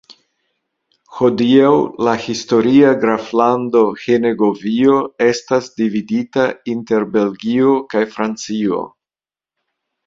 Hodiaŭ la historia graflando Henegovio estas dividita inter Belgio kaj Francio.